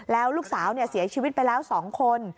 แล้วลูกสาวเสียชีวิตไปแล้ว๒คน